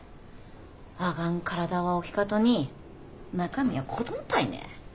あがん体は大きかとに中身は子どんたいね。